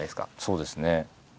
そうですね。